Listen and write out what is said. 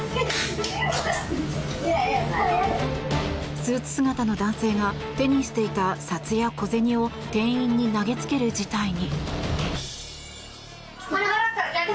スーツ姿の男性が手にしていた札や小銭を店員に投げつける事態に。